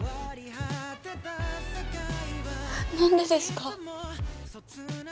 何でですか？